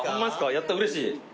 やったうれしい。